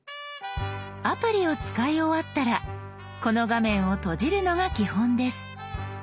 アプリを使い終わったらこの画面を閉じるのが基本です。